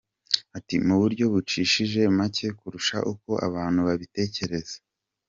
Ati “Mu buryo bucishije make kurusha uko abantu babitekereza.